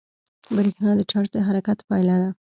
برېښنا د چارج د حرکت پایله ده.